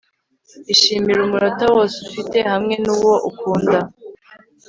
ishimire umunota wose ufite hamwe nuwo ukunda